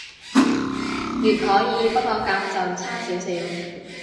乙可以，不過甲就差少少